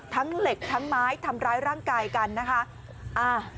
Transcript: ทั้งเหล็กทั้งไม้ทำร้ายร่างกายกันนะคะ